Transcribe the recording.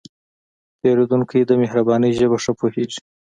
پیرودونکی د مهربانۍ ژبه ښه پوهېږي.